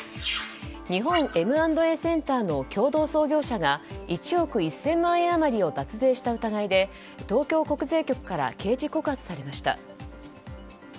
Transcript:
日本Ｍ＆Ａセンターの共同創業者が１億１０００万円余りを脱税した疑いで東京国税局から刑事告発されました。